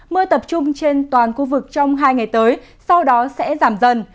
mưa tập trung trên toàn khu vực trong hai ngày tới sau đó sẽ giảm dần